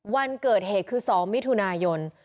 วันเกิดเหตุคือ๒มิถุนายน